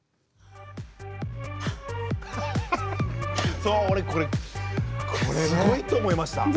そう俺これこれすごいと思いました。